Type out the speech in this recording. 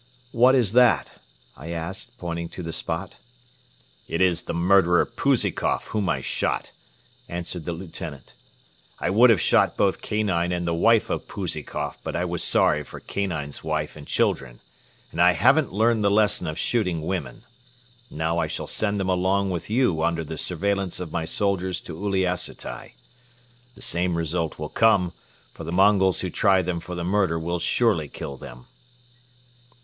"What is that?" I asked, pointing to the spot. "It is the murderer Pouzikoff whom I shot," answered the Lieutenant. "I would have shot both Kanine and the wife of Pouzikoff but I was sorry for Kanine's wife and children and I haven't learned the lesson of shooting women. Now I shall send them along with you under the surveillance of my soldiers to Uliassutai. The same result will come, for the Mongols who try them for the murder will surely kill them."